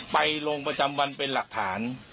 ลงประจำวันเป็นหลักฐาน